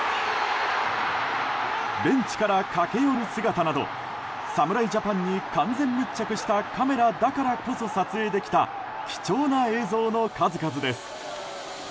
ベンチから駆け寄る姿など侍ジャパンに完全密着したカメラだからこそ撮影できた貴重な映像の数々です。